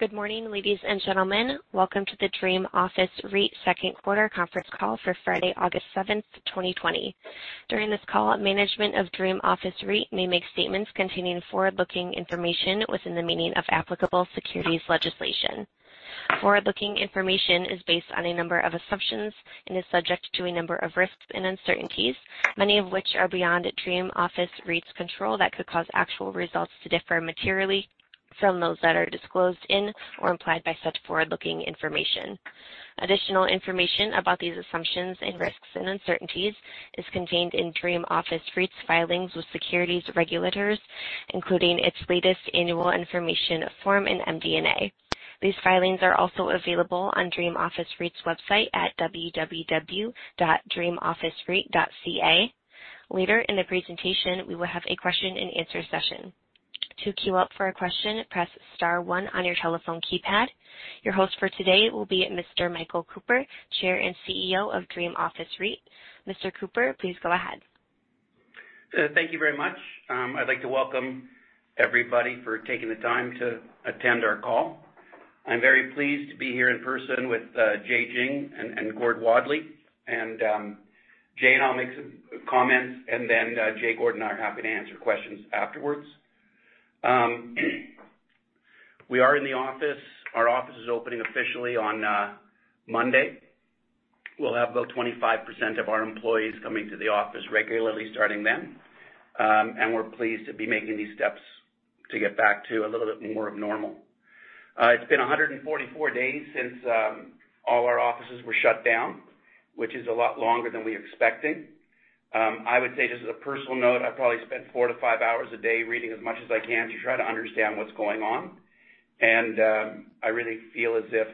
Good morning, ladies and gentlemen. Welcome to the Dream Office REIT Q2 Conference Call for Friday, August 7th, 2020. During this call, management of Dream Office REIT may make statements containing forward-looking information within the meaning of applicable securities legislation. Forward-looking information is based on a number of assumptions and is subject to a number of risks and uncertainties, many of which are beyond Dream Office REIT's control, that could cause actual results to differ materially from those that are disclosed in or implied by such forward-looking information. Additional information about these assumptions and risks and uncertainties is contained in Dream Office REIT's filings with securities regulators, including its latest annual information form and MD&A. These filings are also available on Dream Office REIT's website at www.dreamofficereit.ca. Later in the presentation, we will have a question and answer session. Your host for today will be Mr. Michael Cooper, Chair and CEO of Dream Office REIT. Mr. Cooper, please go ahead. Thank you very much. I'd like to welcome everybody for taking the time to attend our call. I'm very pleased to be here in person with Jay Jiang and Gordonn Wadley. Jay and I will make some comments, and then Jay, Gordon, and I are happy to answer questions afterwards. We are in the office. Our office is opening officially on Monday. We'll have about 25% of our employees coming to the office regularly starting then. We're pleased to be making these steps to get back to a little bit more of normal. It's been 144 days since all our offices were shut down, which is a lot longer than we were expecting. I would say, just as a personal note, I probably spent four to five hours a day reading as much as I can to try to understand what's going on. I really feel as if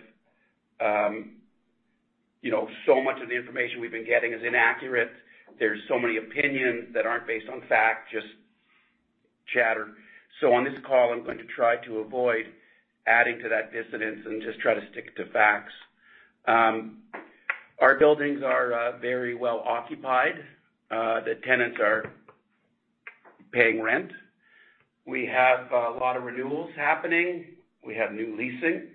so much of the information we've been getting is inaccurate. There's so many opinions that aren't based on fact, just chatter. On this call, I'm going to try to avoid adding to that dissonance and just try to stick to facts. Our buildings are very well occupied. The tenants are paying rent. We have a lot of renewals happening. We have new leasing.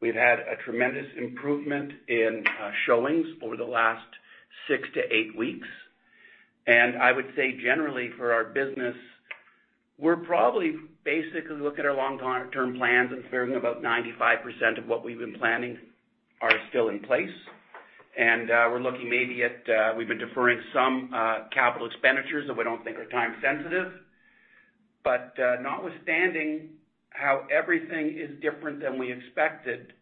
We've had a tremendous improvement in showings over the last six to eight weeks. I would say, generally for our business, we're probably basically looking at our long-term plans and figuring about 95% of what we've been planning are still in place. We're looking maybe at, we've been deferring some capital expenditures that we don't think are time sensitive. Notwithstanding how everything is different than we expected,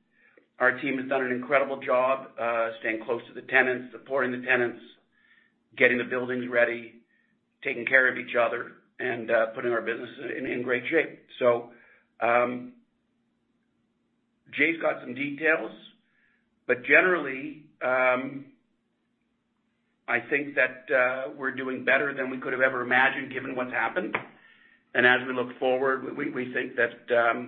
our team has done an incredible job staying close to the tenants, supporting the tenants, getting the buildings ready, taking care of each other, and putting our business in great shape. Jay's got some details. Generally, I think that we're doing better than we could have ever imagined given what's happened. As we look forward, we think that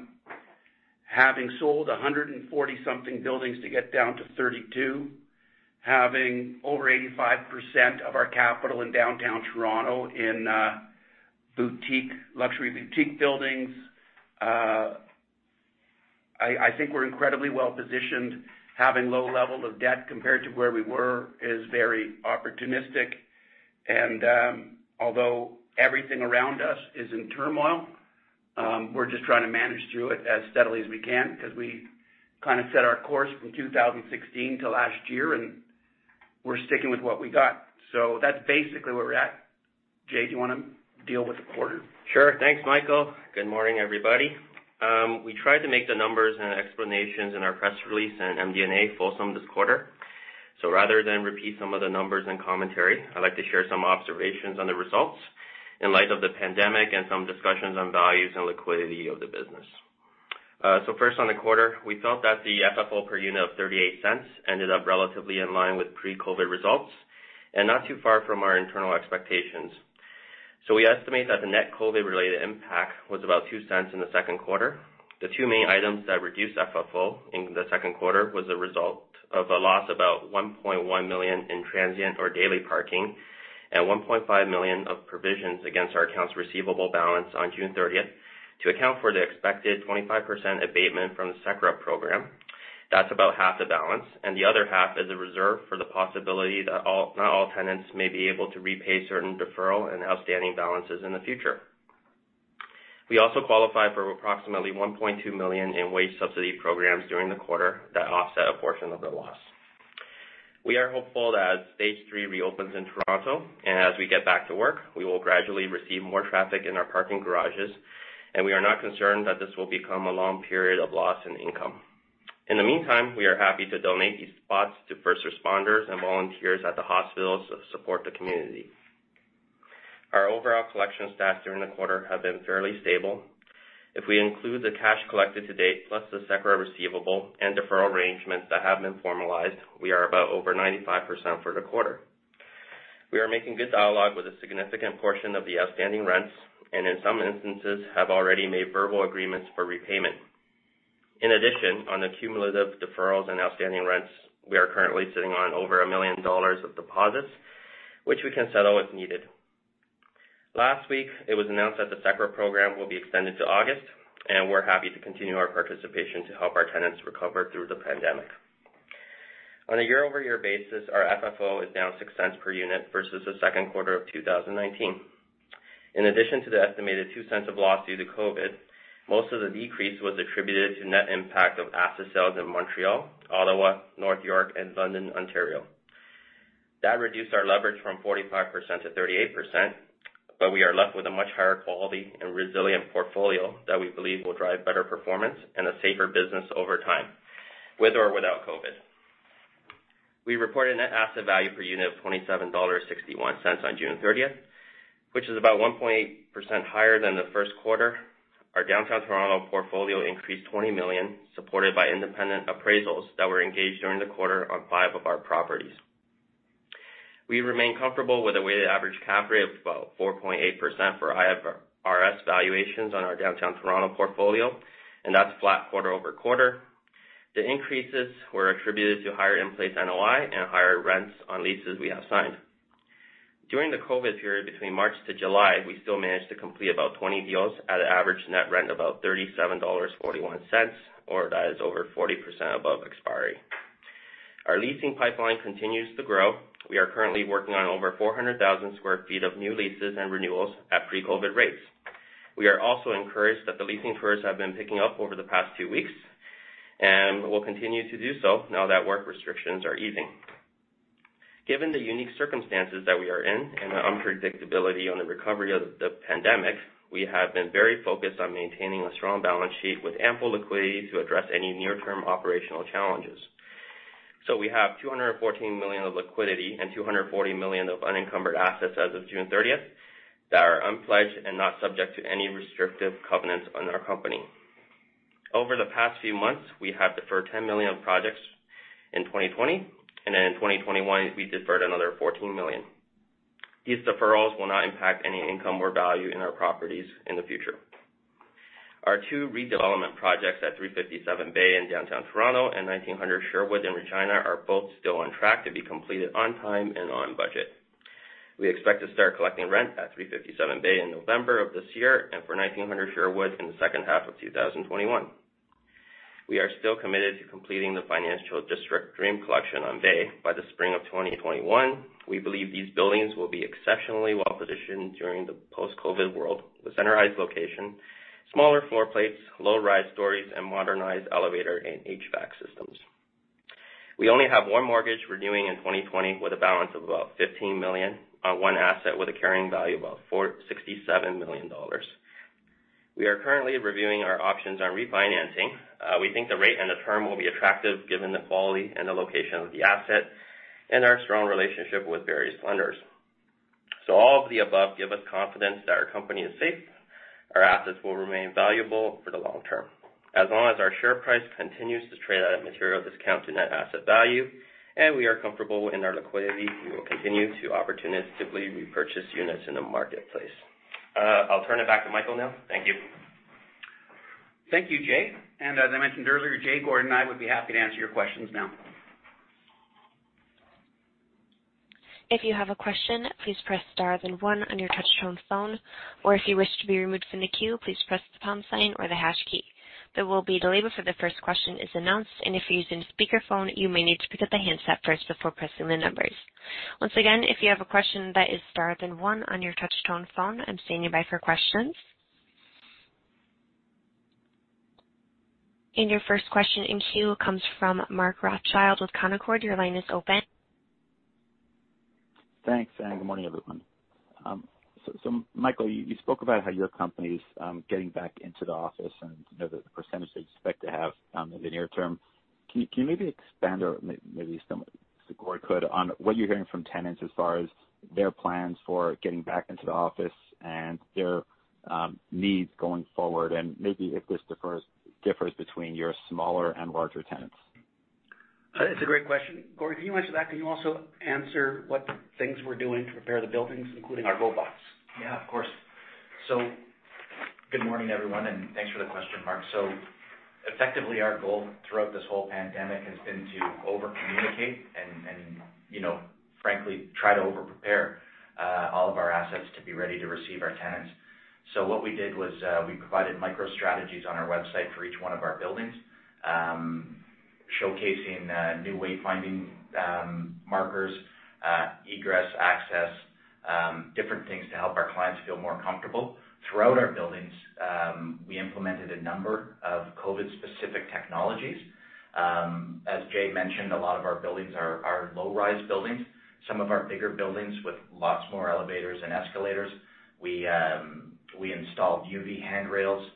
having sold 140 something buildings to get down to 32, having over 85% of our capital in downtown Toronto in luxury boutique buildings. I think we're incredibly well-positioned. Having low level of debt compared to where we were is very opportunistic. Although everything around us is in turmoil, we're just trying to manage through it as steadily as we can because we kind of set our course from 2016 to last year, and we're sticking with what we got. That's basically where we're at. Jay, do you want to deal with the quarter? Sure. Thanks, Michael. Good morning, everybody. We tried to make the numbers and explanations in our press release and MD&A fulsome this quarter. Rather than repeat some of the numbers and commentary, I'd like to share some observations on the results in light of the pandemic and some discussions on values and liquidity of the business. First on the quarter, we felt that the FFO per unit of 0.38 ended up relatively in line with pre-COVID results and not too far from our internal expectations. We estimate that the net COVID-related impact was about 0.02 in the Q2. The two main items that reduced FFO in the Q2 was a result of a loss about 1.1 million in transient or daily parking and 1.5 million of provisions against our accounts receivable balance on June 30th to account for the expected 25% abatement from the CECRA program. That's about half the balance, and the other half is a reserve for the possibility that not all tenants may be able to repay certain deferral and outstanding balances in the future. We also qualify for approximately 1.2 million in wage subsidy programs during the quarter that offset a portion of the loss. We are hopeful that stage three reopens in Toronto, and as we get back to work, we will gradually receive more traffic in our parking garages, and we are not concerned that this will become a long period of loss in income. In the meantime, we are happy to donate these spots to first responders and volunteers at the hospitals to support the community. Our overall collection stats during the quarter have been fairly stable. If we include the cash collected to date, plus the CECRA receivable and deferral arrangements that have been formalized, we are about over 95% for the quarter. We are making good dialogue with a significant portion of the outstanding rents, and in some instances, have already made verbal agreements for repayment. In addition, on the cumulative deferrals and outstanding rents, we are currently sitting on over 1 million dollars of deposits, which we can settle if needed. Last week, it was announced that the CECRA program will be extended to August, and we're happy to continue our participation to help our tenants recover through the pandemic. On a year-over-year basis, our FFO is down 0.06 per unit versus the Q2 of 2019. In addition to the estimated 0.02 of loss due to COVID, most of the decrease was attributed to net impact of asset sales in Montreal, Ottawa, North York and London, Ontario. That reduced our leverage from 45%-38%, but we are left with a much higher quality and resilient portfolio that we believe will drive better performance and a safer business over time, with or without COVID. We reported a net asset value per unit of 27.61 dollars on June 30th, which is about 1.8% higher than the Q1. Our downtown Toronto portfolio increased 20 million, supported by independent appraisals that were engaged during the quarter on five of our properties. We remain comfortable with a weighted average cap rate of about 4.8% for IFRS valuations on our downtown Toronto portfolio. That's flat quarter-over-quarter. The increases were attributed to higher in-place NOI and higher rents on leases we have signed. During the COVID period, between March to July, we still managed to complete about 20 deals at an average net rent of about 37.41 dollars, or that is over 40% above expiry. Our leasing pipeline continues to grow. We are currently working on over 400,000 sq ft of new leases and renewals at pre-COVID rates. We are also encouraged that the leasing tours have been picking up over the past few weeks. Will continue to do so now that work restrictions are easing. Given the unique circumstances that we are in and the unpredictability on the recovery of the pandemic, we have been very focused on maintaining a strong balance sheet with ample liquidity to address any near-term operational challenges. We have 214 million of liquidity and 240 million of unencumbered assets as of June 30th that are unpledged and not subject to any restrictive covenants on our company. Over the past few months, we have deferred 10 million of projects in 2020. In 2021, we deferred another 14 million. These deferrals will not impact any income or value in our properties in the future. Our two redevelopment projects at 357 Bay in downtown Toronto and 1900 Sherwood in Regina are both still on track to be completed on time and on budget. We expect to start collecting rent at 357 Bay in November of this year and for 1900 Sherwood in the H2 of 2021. We are still committed to completing the Financial District Dream Collection on Bay by the spring of 2021. We believe these buildings will be exceptionally well-positioned during the post-COVID world, with centralized location, smaller floor plates, low-rise stories, and modernized elevator and HVAC systems. We only have one mortgage renewing in 2020 with a balance of about 15 million on one asset with a carrying value of about 67 million dollars. We are currently reviewing our options on refinancing. We think the rate and the term will be attractive given the quality and the location of the asset and our strong relationship with various lenders. All of the above give us confidence that our company is safe, our assets will remain valuable for the long term. As long as our share price continues to trade at a material discount to net asset value and we are comfortable in our liquidity, we will continue to opportunistically repurchase units in the marketplace. I'll turn it back to Michael now. Thank you. Thank you, Jay. As I mentioned earlier, Jay, Gordon, and I would be happy to answer your questions now. If you have a question, please press star then one on your touchtone phone. Or if you wish to be removed from the queue, please press the pound sign or the hash key. There will be a delay before the first question is announced, and if you're using speakerphone, you may need to pick up the handset first before pressing the numbers. Once again, if you have a question, that is star then one on your touchtone phone. I'm standing by for questions. And your first question in queue comes from Mark Rothschild with Canaccord. Your line is open. Thanks, good morning, everyone. Michael, you spoke about how your company's getting back into the office, and the percentage they expect to have in the near term. Can you maybe expand, or maybe someone, so Gordon could, on what you're hearing from tenants as far as their plans for getting back into the office and their needs going forward, and maybe if this differs between your smaller and larger tenants? It's a great question. Gordon, can you answer that? Can you also answer what things we're doing to prepare the buildings, including our robots? Yeah, of course. Good morning, everyone, and thanks for the question, Mark. Effectively, our goal throughout this whole pandemic has been to over-communicate and frankly, try to over-prepare all of our assets to be ready to receive our tenants. What we did was we provided micro strategies on our website for each one of our buildings, showcasing new way-finding markers, egress access, different things to help our clients feel more comfortable. Throughout our buildings, we implemented a number of COVID-specific technologies. As Jay mentioned, a lot of our buildings are low-rise buildings. Some of our bigger buildings with lots more elevators and escalators, we installed UV handrails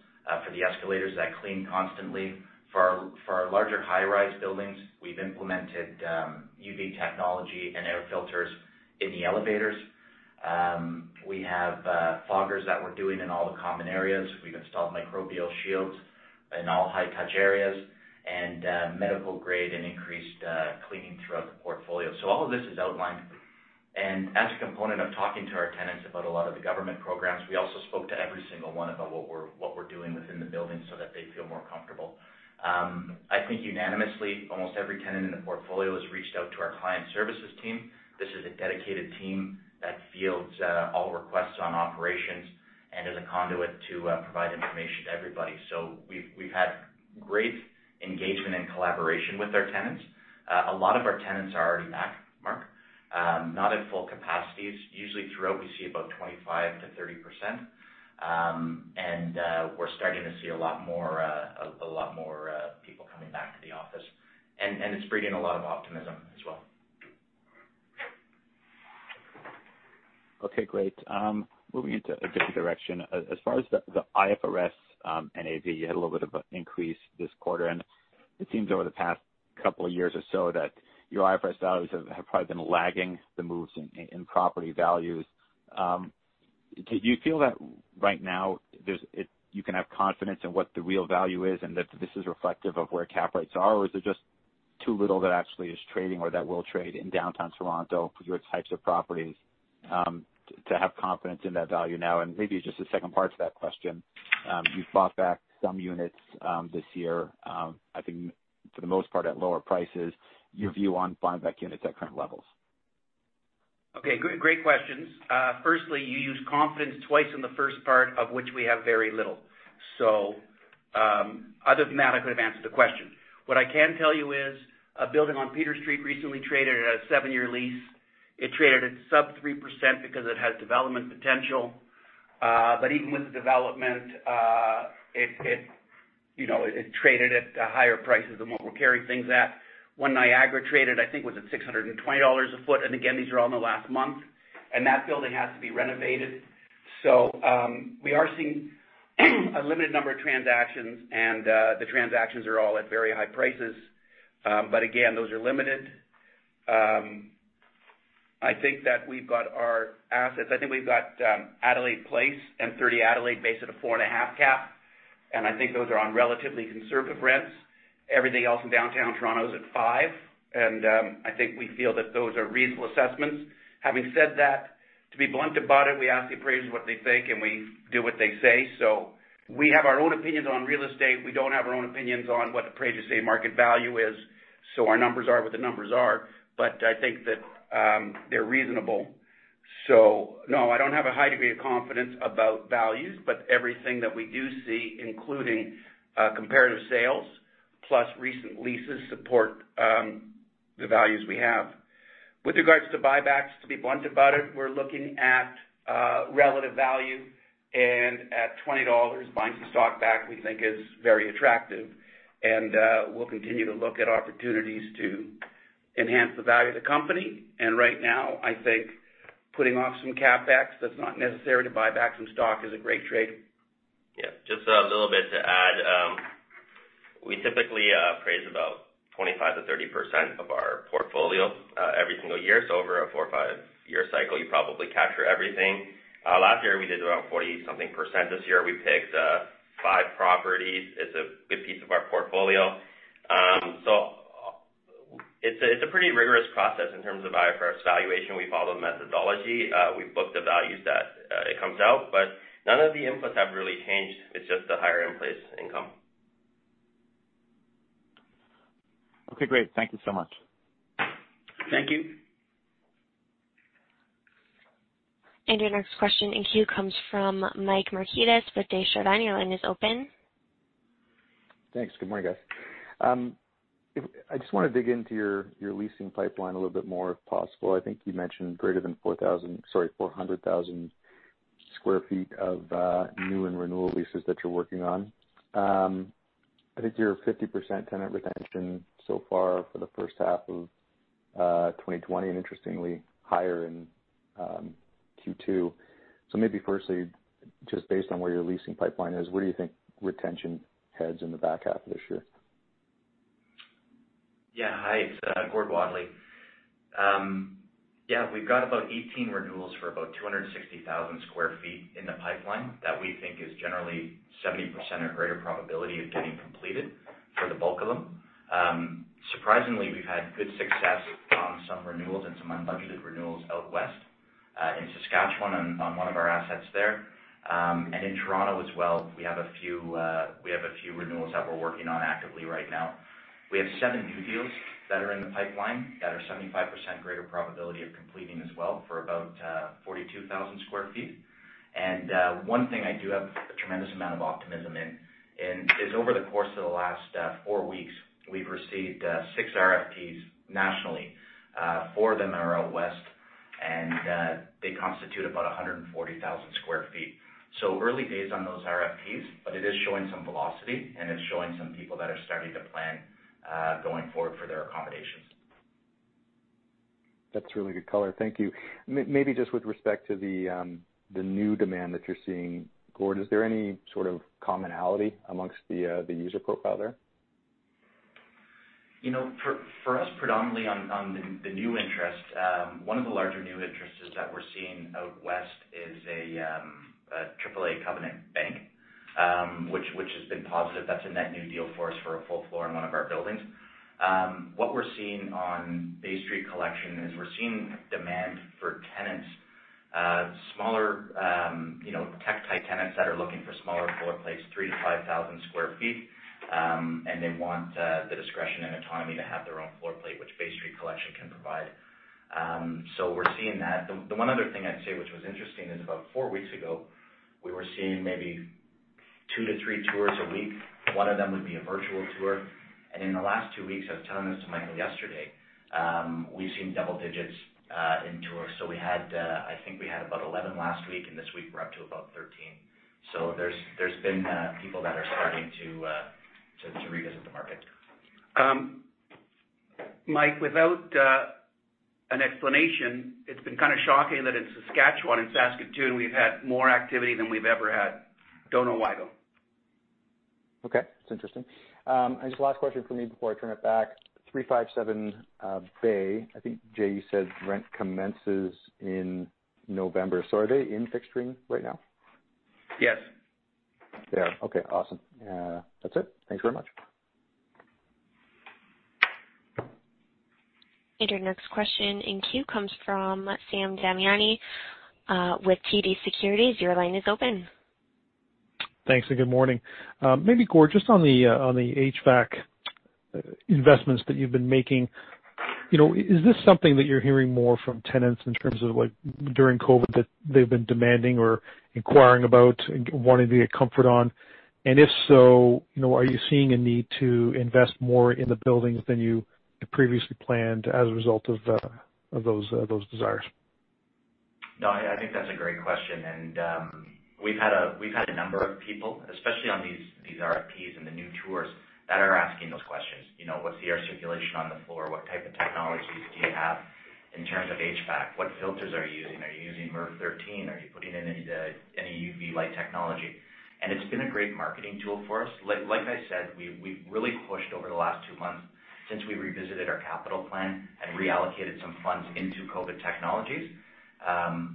for the escalators that clean constantly. For our larger high-rise buildings, we've implemented UV technology and air filters in the elevators. We have foggers that we're doing in all the common areas. We've installed microbial shields in all high-touch areas and medical-grade and increased cleaning throughout the portfolio. All of this is outlined. As a component of talking to our tenants about a lot of the government programs, we also spoke to every single one about what we're doing within the building so that they feel more comfortable. I think unanimously, almost every tenant in the portfolio has reached out to our client services team. This is a dedicated team that fields all requests on operations and is a conduit to provide information to everybody. We've had great engagement and collaboration with our tenants. A lot of our tenants are already back, Mark. Not at full capacities. Usually throughout, we see about 25%-30%, and we're starting to see a lot more people coming back to the office. It's breeding a lot of optimism as well. Okay, great. Moving into a different direction. As far as the IFRS NAV, you had a little bit of an increase this quarter, and it seems over the past couple of years or so that your IFRS values have probably been lagging the moves in property values. Do you feel that right now, you can have confidence in what the real value is and that this is reflective of where cap rates are? Or is there just too little that actually is trading or that will trade in Downtown Toronto for your types of properties, to have confidence in that value now? Maybe just a second part to that question. You've bought back some units this year, I think for the most part, at lower prices. Your view on buying back units at current levels? Okay. Great questions. Firstly, you used confidence twice in the first part, of which we have very little. Other than that, I could have answered the question. What I can tell you is, a building on Peter Street recently traded at a seven-year lease. It traded at sub 3% because it has development potential. Even with the development, it traded at higher prices than what we're carrying things at. One Niagara traded, I think was at 620 dollars a foot, and again, these are all in the last month. That building has to be renovated. We are seeing a limited number of transactions and the transactions are all at very high prices. Again, those are limited. I think that we've got our assets. I think we've got Adelaide Place and 30 Adelaide based at a 4.5% cap. I think those are on relatively conservative rents. Everything else in Downtown Toronto is at 5%. I think we feel that those are reasonable assessments. Having said that, to be blunt about it, we ask the appraisers what they think, and we do what they say. We have our own opinions on real estate. We don't have our own opinions on what appraisers say market value is, so our numbers are what the numbers are. I think that they're reasonable. No, I don't have a high degree of confidence about values, but everything that we do see, including comparative sales plus recent leases, support the values we have. With regards to buybacks, to be blunt about it, we're looking at relative value, and at 20 dollars, buying some stock back, we think is very attractive. We'll continue to look at opportunities to enhance the value of the company. Right now, I think putting off some CapEx that's not necessary to buy back some stock is a great trade. Just a little bit to add. We typically appraise about 25%-30% of our portfolio every single year. Over a four or five-year cycle, you probably capture everything. Last year, we did about 40-something%. This year, we picked five properties. It's a good piece of our portfolio. It's a pretty rigorous process in terms of IFRS valuation. We follow the methodology. We book the values that it comes out, but none of the inputs have really changed. It's just the higher in-place income. Okay, great. Thank you so much. Thank you. Your next question in queue comes from Michael Markidis with Desjardins. Your line is open. Thanks. Good morning, guys. I just want to dig into your leasing pipeline a little bit more, if possible. I think you mentioned greater than 4,000, sorry, 400,000 square feet of new and renewal leases that you're working on. I think you're at 50% tenant retention so far for the H1 of 2020, and interestingly higher in Q2. Maybe firstly, just based on where your leasing pipeline is, where do you think retention heads in the back half of this year? Hi, it's Gordon Wadley. We've got about 18 renewals for about 260,000 sq ft in the pipeline that we think is generally 70% or greater probability of getting completed for the bulk of them. Surprisingly, we've had good success on some renewals and some unbudgeted renewals out west, in Saskatchewan on one of our assets there. In Toronto as well, we have a few renewals that we're working on actively right now. We have seven new deals that are in the pipeline that are 75% greater probability of completing as well for about 42,000 sq ft. One thing I do have a tremendous amount of optimism in is over the course of the last four weeks, we've received six RFPs nationally. Four of them are out West, and they constitute about 140,000 sq ft. Early days on those RFPs, but it is showing some velocity, and it's showing some people that are starting to plan going forward for their accommodations. That's really good color. Thank you. Maybe just with respect to the new demand that you're seeing, Gordon, is there any sort of commonality amongst the user profile there? For us, predominantly on the new interest, one of the larger new interests is that we're seeing out West is a AAA covenant bank. Which has been positive. That's a net new deal for us for a full floor in one of our buildings. What we're seeing on Bay Street Collection is we're seeing demand for tenants. Smaller tech-type tenants that are looking for smaller floor plates, 3,000 to 5,000 sq ft. They want the discretion and autonomy to have their own floor plate, which Bay Street Collection can provide. We're seeing that. The one other thing I'd say, which was interesting, is about four weeks ago, we were seeing maybe two to three tours a week. One of them would be a virtual tour. In the last two weeks, I was telling this to Michael yesterday, we've seen double digits in tours. I think we had about 11 last week, and this week we're up to about 13. There's been people that are starting to revisit the market. Michael, without an explanation, it's been kind of shocking that in Saskatchewan, in Saskatoon, we've had more activity than we've ever had. Don't know why, though. Okay. That's interesting. Just the last question from me before I turn it back. 357 Bay, I think, Jay, you said rent commences in November. Are they in fixturing right now? Yes. They are. Okay, awesome. That's it. Thanks very much. Your next question in queue comes from Sam Damiani with TD Securities. Your line is open. Thanks, good morning. Maybe Gordon, just on the HVAC investments that you've been making. Is this something that you're hearing more from tenants in terms of during COVID that they've been demanding or inquiring about and wanting to get comfort on? If so, are you seeing a need to invest more in the buildings than you had previously planned as a result of those desires? No, I think that's a great question. We've had a number of people, especially on these RFPs and the new tours, that are asking those questions. What's the air circulation on the floor? What type of technologies do you have in terms of HVAC? What filters are you using? Are you using MERV 13? Are you putting in any UV light technology? It's been a great marketing tool for us. Like I said, we've really pushed over the last two months since we revisited our capital plan and reallocated some funds into COVID technologies.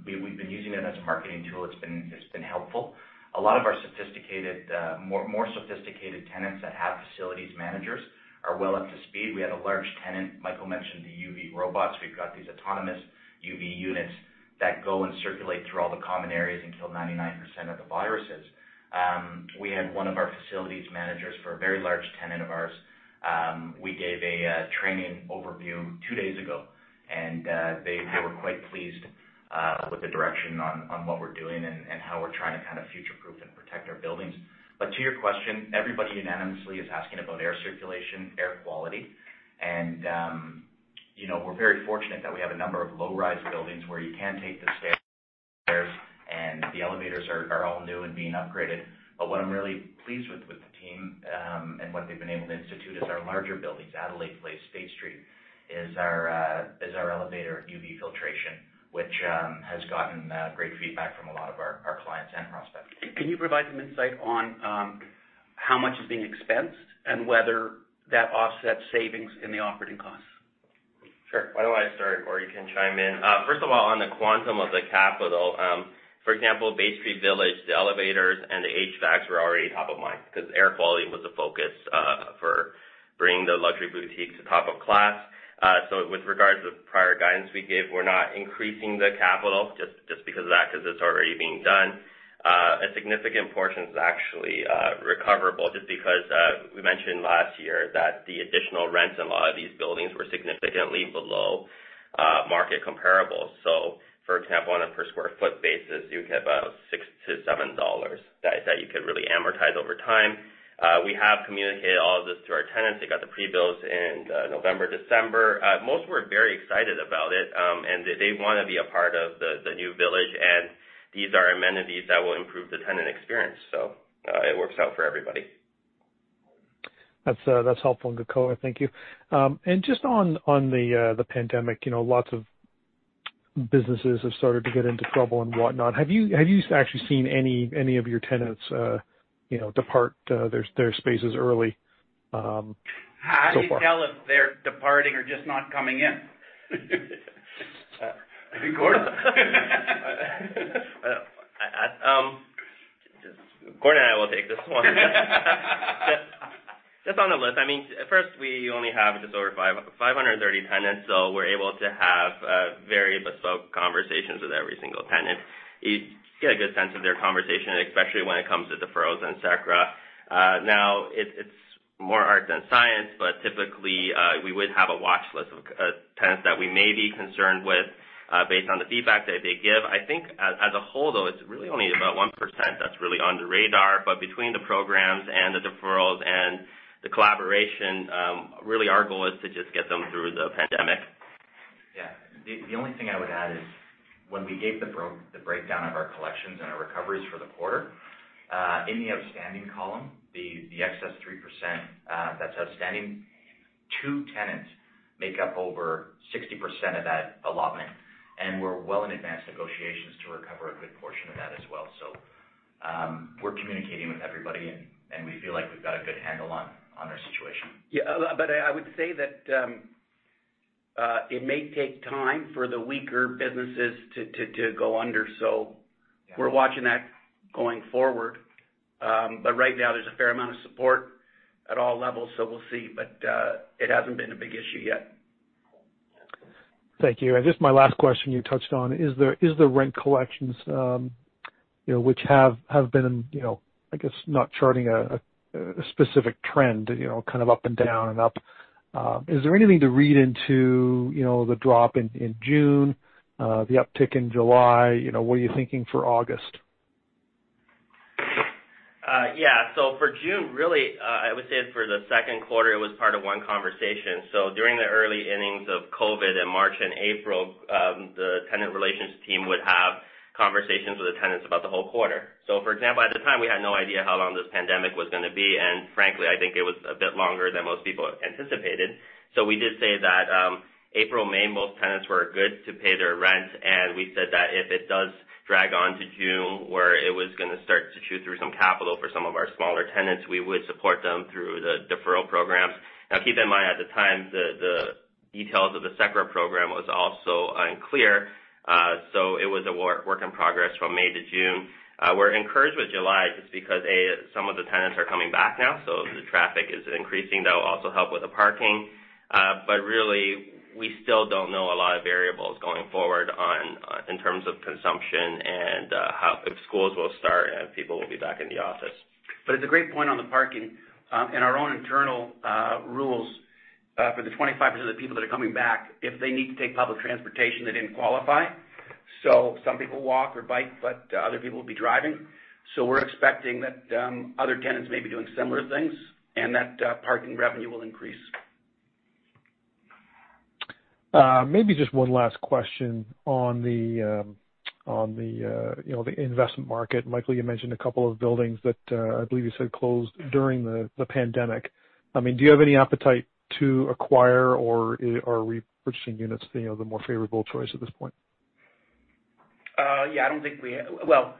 We've been using it as a marketing tool. It's been helpful. A lot of our more sophisticated tenants that have facilities managers are well up to speed. We had a large tenant, Michael mentioned the UV robots. We've got these autonomous UV units that go and circulate through all the common areas and kill 99% of the viruses. We had one of our facilities managers for a very large tenant of ours. We gave a training overview two days ago, and they were quite pleased with the direction on what we're doing and how we're trying to kind of future-proof and protect our buildings. To your question, everybody unanimously is asking about air circulation, air quality, and we're very fortunate that we have a number of low-rise buildings where you can take the stairs, and the elevators are all new and being upgraded. What I'm really pleased with with the team, and what they've been able to institute is our larger buildings, Adelaide Place, Bay Street, is our elevator UV filtration, which has gotten great feedback from a lot of our clients and prospects. Can you provide some insight on how much is being expensed and whether that offsets savings in the operating costs? Sure. Why don't I start? Gordon, you can chime in. First of all, on the quantum of the capital, for example, Bay Street Village, the elevators and the HVACs were already top of mind because air quality was a focus for bringing the luxury boutique to top of class. With regards to the prior guidance we gave, we are not increasing the capital just because of that, because it is already being done. A significant portion is actually recoverable just because we mentioned last year that the additional rents in a lot of these buildings were significantly below market comparable. For example, on a per square foot basis, you have about 6-7 dollars that you could really amortize over time. We have communicated all of this to our tenants. They got the pre-bills in November, December. Most were very excited about it, and they want to be a part of the new village, and these are amenities that will improve the tenant experience, so it works out for everybody. That's helpful and good color. Thank you. Just on the pandemic, lots of businesses have started to get into trouble and whatnot. Have you actually seen any of your tenants depart their spaces early so far? How can you tell if they're departing or just not coming in? Gordon? Gordon and I will take this one. Just on the list. We only have just over 530 tenants, so we're able to have very bespoke conversations with every single tenant. You get a good sense of their conversation, especially when it comes to deferrals and CECRA. It's more art than science, but typically, we would have a watch list of tenants that we may be concerned with based on the feedback that they give. I think as a whole though, it's really only about 1% that's really on the radar. Between the programs and the deferrals and the collaboration, really our goal is to just get them through the pandemic. Yeah. The only thing I would add is when we gave the breakdown of our collections and our recoveries for the quarter. In the outstanding column, the excess 3% that's outstanding, two tenants make up over 60% of that allotment, and we're well in advanced negotiations to recover a good portion of that as well. We're communicating with everybody, and we feel like we've got a good handle on their situation. Yeah. I would say it may take time for the weaker businesses to go under, so we're watching that going forward. Right now, there's a fair amount of support at all levels, so we'll see. It hasn't been a big issue yet. Thank you. Just my last question you touched on. Is the rent collections, which have been, I guess, not charting a specific trend, kind of up and down and up? Is there anything to read into the drop in June, the uptick in July? What are you thinking for August? For June, really, I would say for the Q2, it was part of one conversation. During the early innings of COVID in March and April, the tenant relations team would have conversations with the tenants about the whole quarter. For example, at the time, we had no idea how long this pandemic was going to be, and frankly, I think it was a bit longer than most people anticipated. We did say that April, May, most tenants were good to pay their rent, and we said that if it does drag on to June, where it was going to start to chew through some capital for some of our smaller tenants, we would support them through the deferral programs. Now, keep in mind, at the time, the details of the CECRA program was also unclear. It was a work in progress from May to June. We're encouraged with July just because, A, some of the tenants are coming back now, so the traffic is increasing. That will also help with the parking. Really, we still don't know a lot of variables going forward in terms of consumption and how, if schools will start and people will be back in the office. It's a great point on the parking. In our own internal rules, for the 25% of the people that are coming back, if they need to take public transportation, they didn't qualify. Some people walk or bike, but other people will be driving. We're expecting that other tenants may be doing similar things and that parking revenue will increase. Maybe just one last question on the investment market. Michael, you mentioned a couple of buildings that I believe you said closed during the pandemic. Do you have any appetite to acquire, or are repurchasing units the more favorable choice at this point? Yeah, I don't think we have. Well,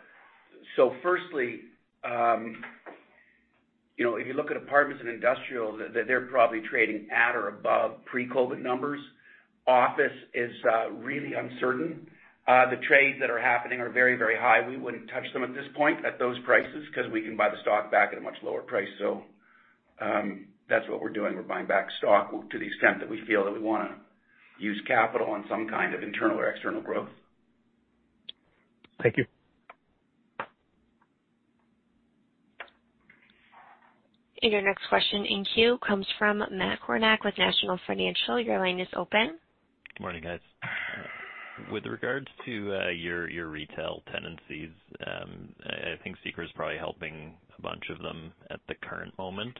firstly, if you look at apartments and industrial, they're probably trading at or above pre-COVID numbers. Office is really uncertain. The trades that are happening are very high. We wouldn't touch them at this point at those prices because we can buy the stock back at a much lower price. That's what we're doing. We're buying back stock to the extent that we feel that we want to use capital on some kind of internal or external growth. Thank you. Your next question in queue comes from Matt Kornack with National Bank Financial. Your line is open. Good morning, guys. With regards to your retail tenancies, I think CECRA is probably helping a bunch of them at the current moment.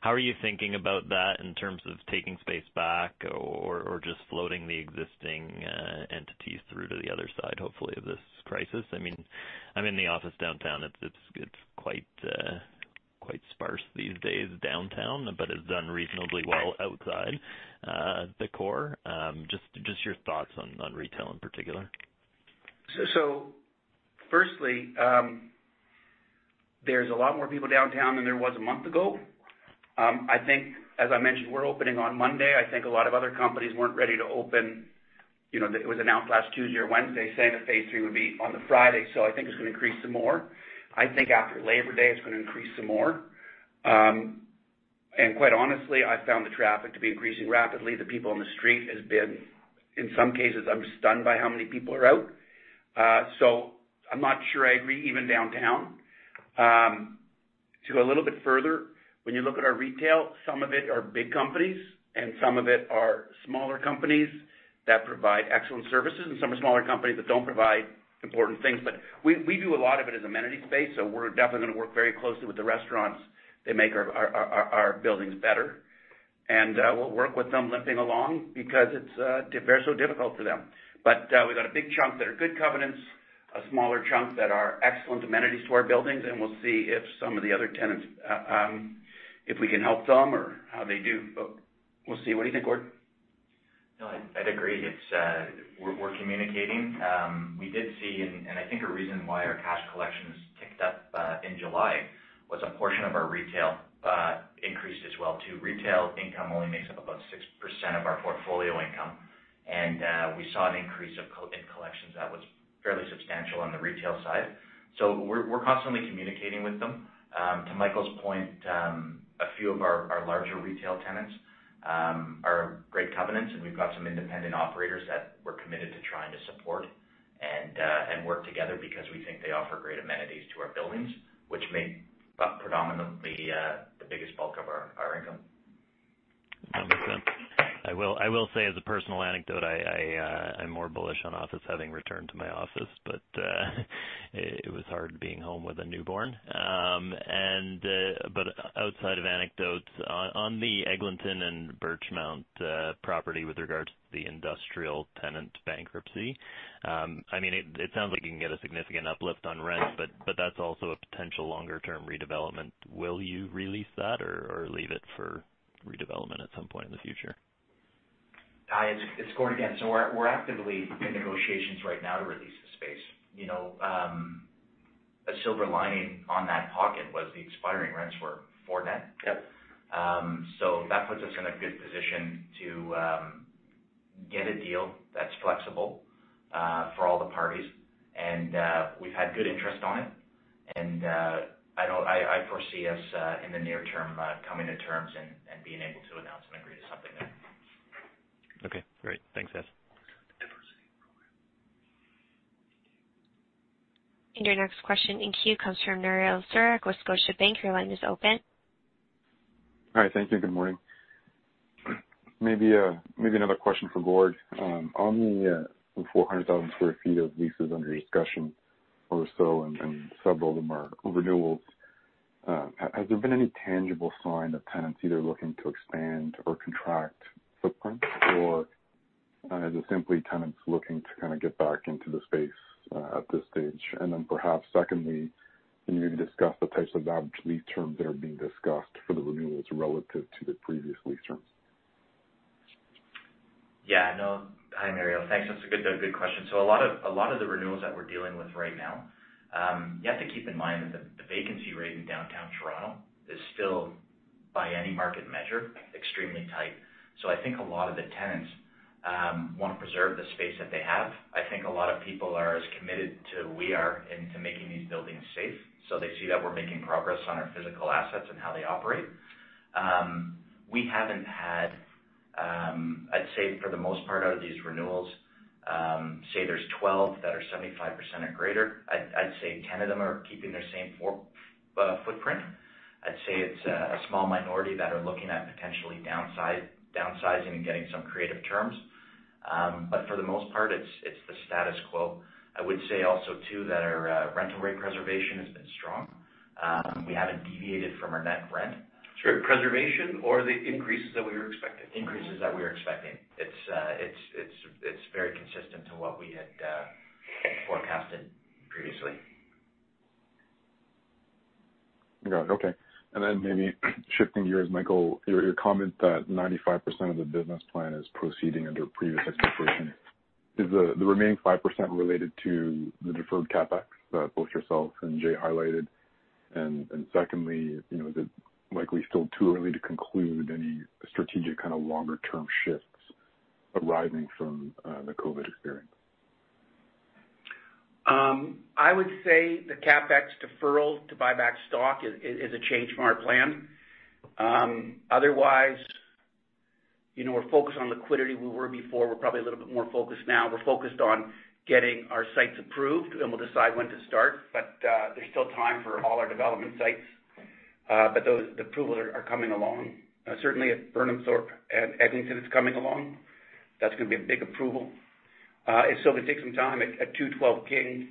How are you thinking about that in terms of taking space back or just floating the existing entities through to the other side, hopefully, of this crisis? In the office downtown, it's quite sparse these days downtown, but it's done reasonably well outside the core. Just your thoughts on retail in particular. Firstly, there's a lot more people downtown than there was a month ago. As I mentioned, we're opening on Monday. I think a lot of other companies weren't ready to open. It was announced last Tuesday or Wednesday saying that phase three would be on the Friday. I think it's going to increase some more. I think after Labor Day, it's going to increase some more. Quite honestly, I found the traffic to be increasing rapidly. The people on the street has been, in some cases, I'm stunned by how many people are out. I'm not sure I agree, even downtown. To go a little bit further, when you look at our retail, some of it are big companies, and some of it are smaller companies that provide excellent services, and some are smaller companies that don't provide important things. We do a lot of it as amenity space, so we're definitely going to work very closely with the restaurants that make our buildings better. We'll work with them limping along because it's very so difficult for them. We've got a big chunk that are good covenants, a smaller chunk that are excellent amenities to our buildings, and we'll see if some of the other tenants, if we can help them or how they do. We'll see. What do you think, Gordon? No, I'd agree. We're communicating. We did see, and I think a reason why our cash collections ticked up in July was a portion of our retail increased as well, too. Retail income only makes up about 6% of our portfolio income, and we saw an increase in collections that was fairly substantial on the retail side. We're constantly communicating with them. To Michael's point, a few of our larger retail tenants are great covenants, and we've got some independent operators that we're committed to trying to support and work together because we think they offer great amenities to our buildings, which make up predominantly the biggest bulk of our income. That makes sense. I will say as a personal anecdote, I'm more bullish on office having returned to my office, but it was hard being home with a newborn. Outside of anecdotes, on the Eglinton and Birchmount property with regards to the industrial tenant bankruptcy, it sounds like you can get a significant uplift on rent, but that's also a potential longer-term redevelopment. Will you re-lease that or leave it for redevelopment at some point in the future? It's Gordon again. We're actively in negotiations right now to re-lease the space. A silver lining on that pocket was the expiring rents were four net. Yes. That puts us in a good position to get a deal that's flexible for all the parties, and we've had good interest on it. I foresee us, in the near term, coming to terms and being able to announce and agree to something there. Okay, great. Thanks, Matt. Your next question in queue comes from Mario Saric with Scotiabank. Your line is open. Hi. Thank you. Good morning. Maybe another question for Gordon. On the 400,000 square feet of leases under discussion or so, and several of them are renewals, has there been any tangible sign of tenants either looking to expand or contract footprint? Is it simply tenants looking to kind of get back into the space, at this stage? Perhaps secondly, can you maybe discuss the types of average lease terms that are being discussed for the renewals relative to the previous lease terms? Hi, Mario. Thanks. That's a good question. A lot of the renewals that we're dealing with right now, you have to keep in mind that the vacancy rate in Downtown Toronto is still by any market measure, extremely tight. I think a lot of the tenants want to preserve the space that they have. I think a lot of people are as committed as we are into making these buildings safe, so they see that we're making progress on our physical assets and how they operate. We haven't had, I'd say for the most part, out of these renewals, say there's 12 that are 75% or greater. I'd say 10 of them are keeping their same footprint. I'd say it's a small minority that are looking at potentially downsizing and getting some creative terms. For the most part, it's the status quo. I would say also too, that our rental rate preservation has been strong. We haven't deviated from our net rent. Sure. Preservation or the increases that we were expecting? Increases that we were expecting. It's very consistent to what we had forecasted previously. Got it. Okay. Maybe shifting gears, Michael, your comment that 95% of the business plan is proceeding under previous expectations. Is the remaining 5% related to the deferred CapEx that both yourself and Jay highlighted? Secondly, is it likely still too early to conclude any strategic kind of longer-term shifts arising from the COVID experience? I would say the CapEx deferral to buy back stock is a change from our plan. We're focused on liquidity. We were before. We're probably a little bit more focused now. We're focused on getting our sites approved, and we'll decide when to start. There's still time for all our development sites. The approvals are coming along. Certainly at Burnhamthorpe and Eglinton it's coming along. That's going to be a big approval. It still could take some time at 212 King.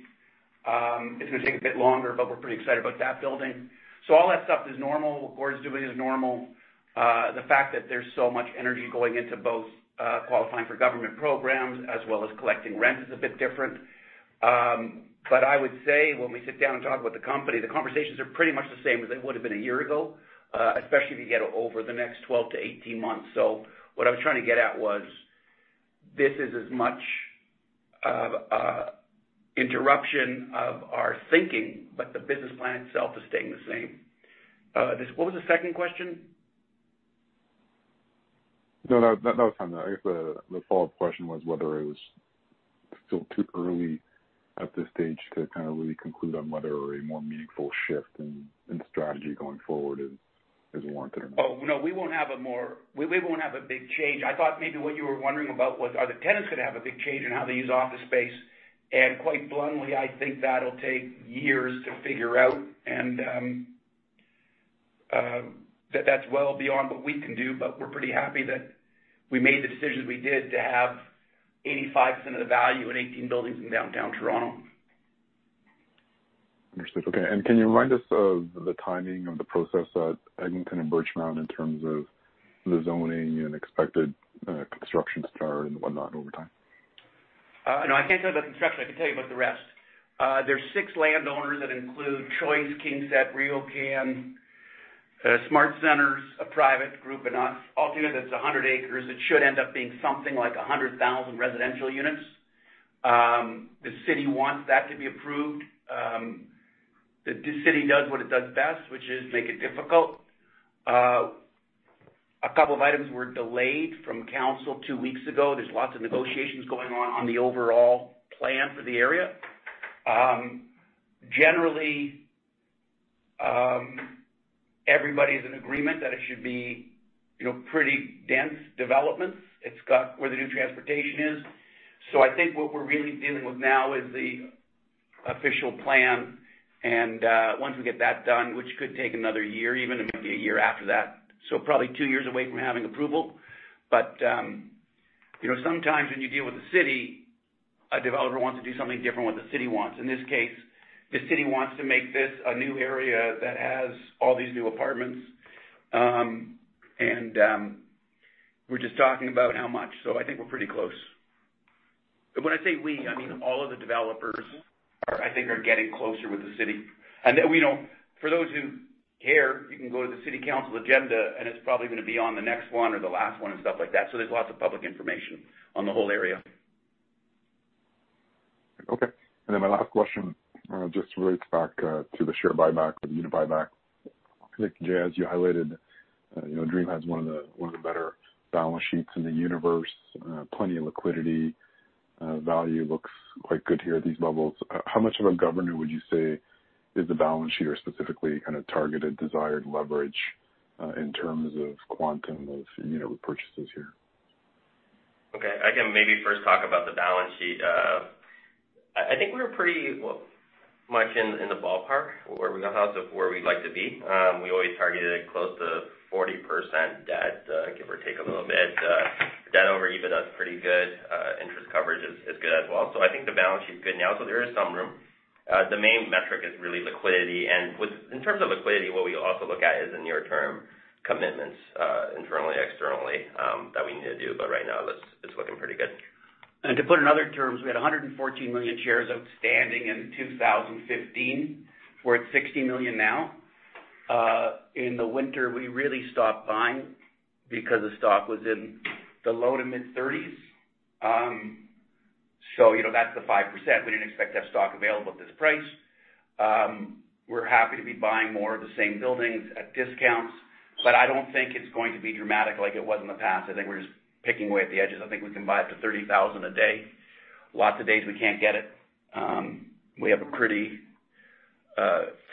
It's going to take a bit longer, but we're pretty excited about that building. All that stuff is normal. Gordon's doing his normal. The fact that there's so much energy going into both qualifying for government programs as well as collecting rent is a bit different. I would say when we sit down and talk about the company, the conversations are pretty much the same as they would've been a year ago, especially if you get over the next 12 to 18 months. What I was trying to get at was, this is as much of a interruption of our thinking, but the business plan itself is staying the same. What was the second question? No, that was fine. I guess the follow-up question was whether it was still too early at this stage to kind of really conclude on whether a more meaningful shift in strategy going forward is warranted or not? Oh, no. We won't have a big change. I thought maybe what you were wondering about was, are the tenants going to have a big change in how they use office space? Quite bluntly, I think that'll take years to figure out, and that's well beyond what we can do. We're pretty happy that we made the decisions we did to have 85% of the value in 18 buildings in downtown Toronto. Understood. Okay. Can you remind us of the timing of the process at Eglinton and Birchmount in terms of the zoning and expected construction start and whatnot over time? No, I can't tell you about the construction. I can tell you about the rest. There's six landowners that include Choice, KingSett, RioCan, SmartCentres, a private group, and us. All together, it's 100 acres. It should end up being something like 100,000 residential units. The city wants that to be approved. The city does what it does best, which is make it difficult. A couple of items were delayed from council two weeks ago. There's lots of negotiations going on the overall plan for the area. Generally, everybody's in agreement that it should be pretty dense developments. It's got where the new transportation is. I think what we're really dealing with now is the official plan, and once we get that done, which could take another year even, it might be a year after that, so probably two years away from having approval. Sometimes when you deal with the city, a developer wants to do something different than what the city wants. In this case, the city wants to make this a new area that has all these new apartments. We're just talking about how much, so I think we're pretty close. When I say we, I mean all of the developers I think are getting closer with the city. For those who care, you can go to the city council agenda, and it's probably going to be on the next one or the last one and stuff like that. There's lots of public information on the whole area. Okay. My last question just relates back to the share buyback or the unit buyback. I think, Jay, as you highlighted, Dream has one of the better balance sheets in the universe. Plenty of liquidity. Value looks quite good here at these levels. How much of a governor would you say is the balance sheet or specifically targeted desired leverage, in terms of quantum of purchases here? Okay. I can maybe first talk about the balance sheet. I think we were pretty much in the ballpark where we'd like to be. We always targeted close to 40% debt, give or take a little bit. Debt over EBIT is pretty good. Interest coverage is good as well. I think the balance sheet's good now, so there is some room. The main metric is really liquidity, and in terms of liquidity, what we also look at is the near-term commitments, internally, externally, that we need to do, but right now it's looking pretty good. To put it in other terms, we had 114 million shares outstanding in 2015. We're at 60 million now. In the winter, we really stopped buying because the stock was in the CAD low to mid-30s. That's the 5%. We didn't expect to have stock available at this price. We're happy to be buying more of the same buildings at discounts, but I don't think it's going to be dramatic like it was in the past. I think we're just picking away at the edges. I think we can buy up to 30,000 a day. Lots of days we can't get it. We have a pretty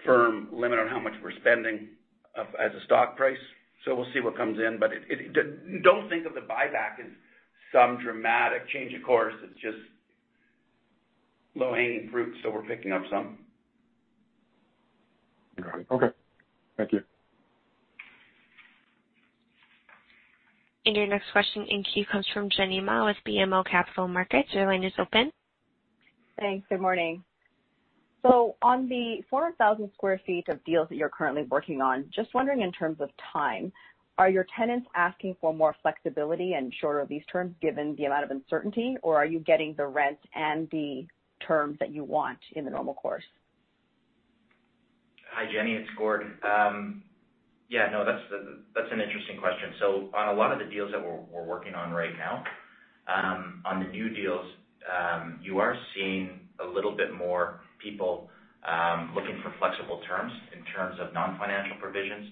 firm limit on how much we're spending as a stock price, so we'll see what comes in. Don't think of the buyback as some dramatic change of course. It's just low-hanging fruit, so we're picking up some. Got it. Okay. Thank you. Your next question in queue comes from Jenny Ma with BMO Capital Markets. Your line is open. Thanks. Good morning. On the 400,000 square feet of deals that you're currently working on, just wondering in terms of time, are your tenants asking for more flexibility and shorter lease terms given the amount of uncertainty, or are you getting the rent and the terms that you want in the normal course? Hi, Jenny, it's Gordon. Yeah, no, that's an interesting question. On a lot of the deals that we're working on right now, on the new deals, you are seeing a little bit more people looking for flexible terms in terms of non-financial provisions.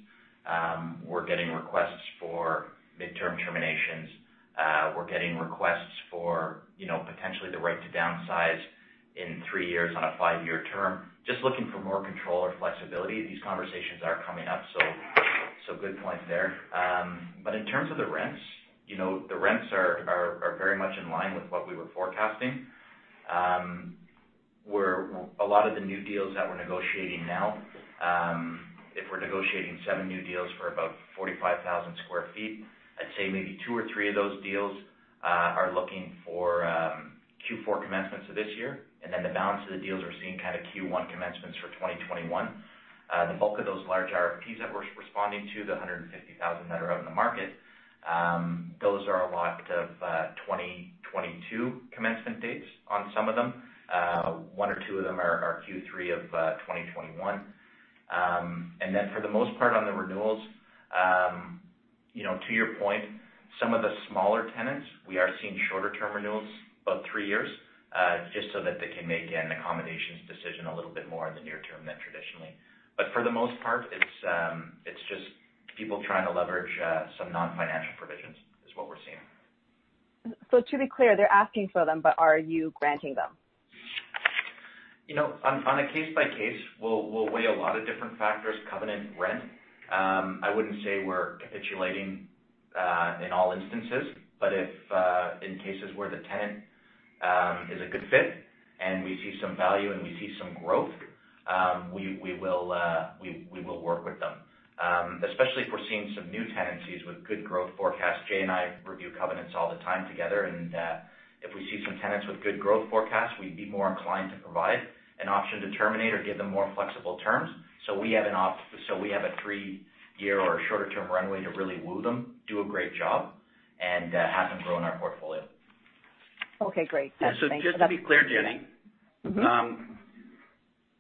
We're getting requests for midterm terminations. We're getting requests for potentially the right to downsize in three years on a five-year term. Just looking for more control or flexibility. These conversations are coming up, so good point there. In terms of the rents, the rents are very much in line with what we were forecasting. A lot of the new deals that we're negotiating now, if we're negotiating seven new deals for about 45,000 sq ft, I'd say maybe two or three of those deals are looking for Q4 commencements of this year, and then the balance of the deals we're seeing Q1 commencements for 2021. The bulk of those large RFPs that we're responding to, the 150,000 that are out in the market, those are a lot of 2022 commencement dates on some of them. One or two of them are Q3 of 2021. For the most part on the renewals, to your point, some of the smaller tenants, we are seeing shorter-term renewals, about three years, just so that they can make an accommodations decision a little bit more in the near term than traditionally. For the most part, it's just people trying to leverage some non-financial provisions is what we're seeing. To be clear, they're asking for them, but are you granting them? On a case by case, we'll weigh a lot of different factors, covenant, rent. I wouldn't say we're capitulating, in all instances. But if in cases where the tenant is a good fit and we see some value and we see some growth, we will work with them. Especially if we're seeing some new tenancies with good growth forecasts. Jay Jiang and I review covenants all the time together, and if we see some tenants with good growth forecasts, we'd be more inclined to provide an option to terminate or give them more flexible terms. We have a three-year or shorter-term runway to really woo them, do a great job, and have them grow in our portfolio. Okay, great. Just to be clear, Jenny.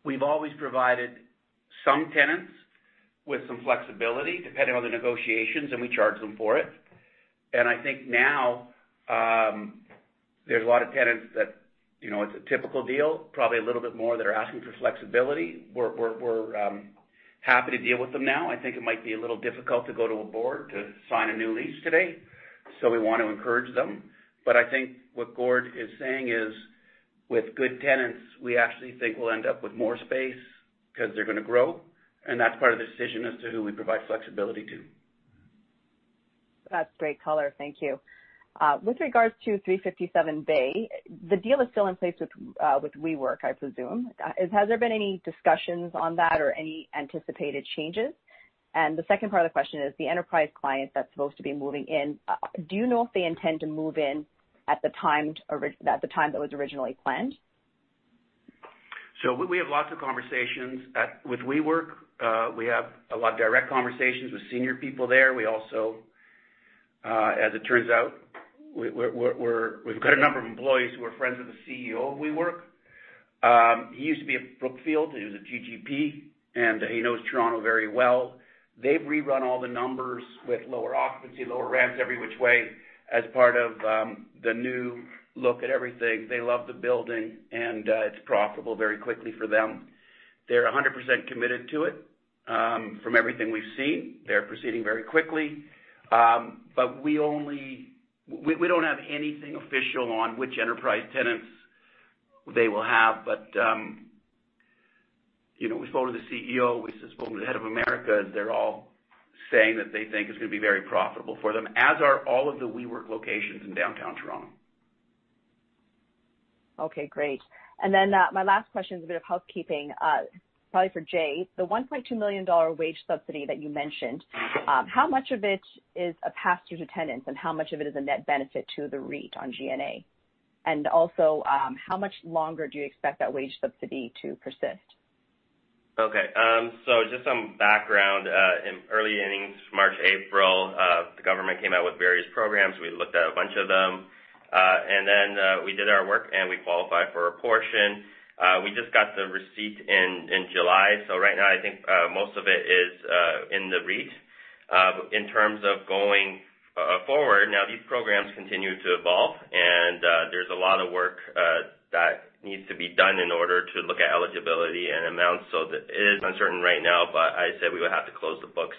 We've always provided some tenants with some flexibility, depending on the negotiations, and we charge them for it. I think now, there's a lot of tenants that it's a typical deal, probably a little bit more that are asking for flexibility. We're happy to deal with them now. I think it might be a little difficult to go to a board to sign a new lease today, so we want to encourage them. I think what Gordon is saying is, with good tenants, we actually think we'll end up with more space because they're going to grow, and that's part of the decision as to who we provide flexibility to. That's great color. Thank you. With regards to 357 Bay, the deal is still in place with WeWork, I presume. Has there been any discussions on that or any anticipated changes? The second part of the question is, the enterprise client that's supposed to be moving in, do you know if they intend to move in at the time that was originally planned? We have lots of conversations with WeWork. We have a lot of direct conversations with senior people there. We also, as it turns out, we've got a number of employees who are friends with the CEO of WeWork. He used to be at Brookfield. He was at TPG, and he knows Toronto very well. They've rerun all the numbers with lower occupancy, lower rents every which way as part of the new look at everything. They love the building, and it's profitable very quickly for them. They're 100% committed to it. From everything we've seen, they're proceeding very quickly. We don't have anything official on which enterprise tenants they will have. We've spoken to the CEO, we've just spoken to the head of America. They're all saying that they think it's going to be very profitable for them, as are all of the WeWork locations in downtown Toronto. Okay, great. My last question is a bit of housekeeping, probably for Jay. The 1.2 million dollar wage subsidy that you mentioned, how much of it is a pass-through to tenants, and how much of it is a net benefit to the REIT on G&A? Also, how much longer do you expect that wage subsidy to persist? Okay. Just some background. In early innings, March, April, the government came out with various programs. We looked at a bunch of them. Then we did our work, and we qualified for a portion. We just got the receipt in July. Right now, I think most of it is in the REIT. In terms of going forward, now these programs continue to evolve, and there's a lot of work that needs to be done in order to look at eligibility and amounts. That is uncertain right now, but I said we would have to close the books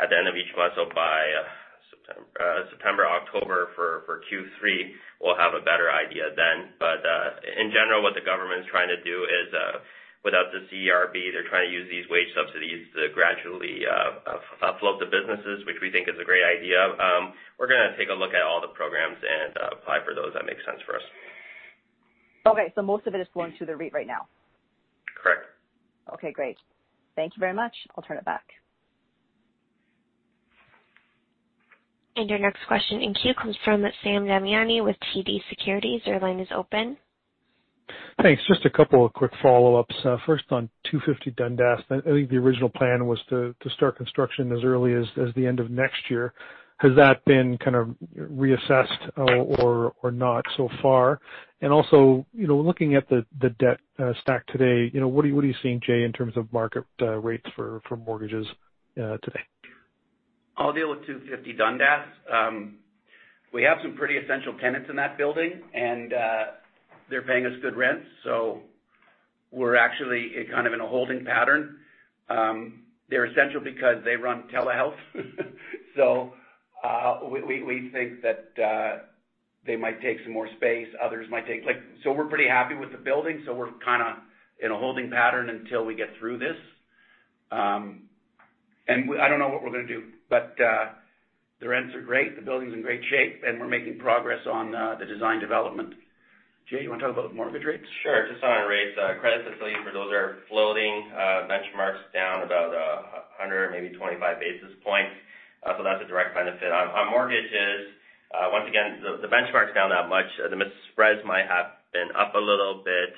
at the end of each month. By September, October for Q3, we'll have a better idea then. In general, what the government's trying to do is, without the CERB, they're trying to use these wage subsidies to gradually float the businesses, which we think is a great idea. We're going to take a look at all the programs and apply for those that make sense for us. Okay. most of it is flowing through the REIT right now? Correct. Okay, great. Thank you very much. I'll turn it back. Your next question in queue comes from Sam Damiani with TD Securities. Your line is open. Thanks. Just a couple of quick follow-ups. First on 250 Dundas, I think the original plan was to start construction as early as the end of next year. Has that been kind of reassessed or not so far? Also, looking at the debt stack today, what are you seeing, Jay, in terms of market rates for mortgages today? I'll deal with 250 Dundas. We have some pretty essential tenants in that building, and they're paying us good rents. We're actually kind of in a holding pattern. They're essential because they run telehealth. We think that they might take some more space. We're pretty happy with the building. We're kind of in a holding pattern until we get through this. I don't know what we're going to do. The rents are great, the building's in great shape, and we're making progress on the design development. Jay, you want to talk about mortgage rates? Sure. Just on rates, credit facility for those are floating benchmarks down about 100, maybe 25 basis points. That's a direct benefit. On mortgages, once again, the benchmark's down that much. The spreads might have been up a little bit.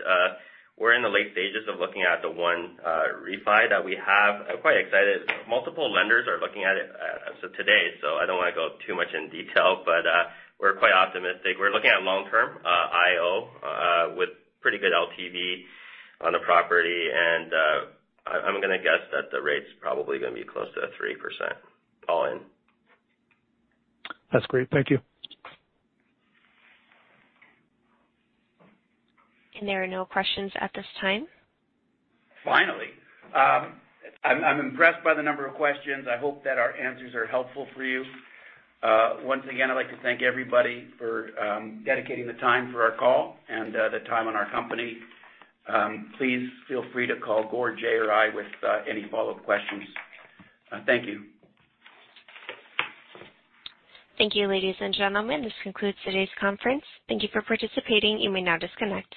We're in the late stages of looking at the one refi that we have. I'm quite excited. Multiple lenders are looking at it as of today. I don't want to go too much in detail, but we're quite optimistic. We're looking at long-term IO with pretty good LTV on the property, and I'm going to guess that the rate's probably going to be close to 3%, all in. That's great. Thank you. There are no questions at this time. Finally. I'm impressed by the number of questions. I hope that our answers are helpful for you. Once again, I'd like to thank everybody for dedicating the time for our call and the time on our company. Please feel free to call Gordon, Jay Jiang, or I with any follow-up questions. Thank you. Thank you, ladies and gentlemen. This concludes today's conference. Thank you for participating. You may now disconnect.